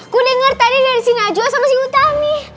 ku denger tadi dari si najwa sama si utami